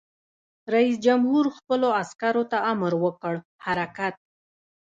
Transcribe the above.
رئیس جمهور خپلو عسکرو ته امر وکړ؛ حرکت!